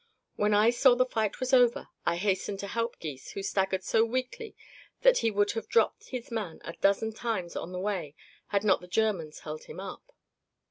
When I saw the fight was over I hastened to help Gys, who staggered so weakly that he would have dropped his man a dozen times on the way had not the Germans held him up.